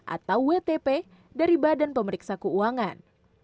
atau wtp dari badan pemeriksa keuangan